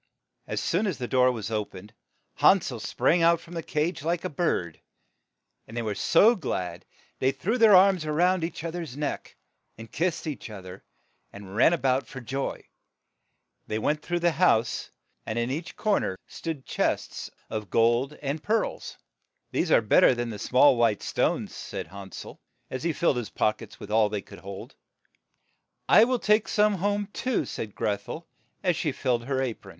As soon as the door was o pened, Han sel sprang out from the cage like a bird, and they were so glad that they threw their arms round each other's neck, and kissed each other, and ran a bout for joy. They went through the house, and in each GRETHEL PUSHES THE W.TCH ,NTO THE OVEN cor _ ner sto(x J cne stS Of gold and pearls. "These are bet ter than the small white stones," said Han sel, as he filled his pock ets with all that they could hold. "I will take some home too," said Greth el, as she filled her a pron.